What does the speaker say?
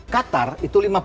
qatar itu lima puluh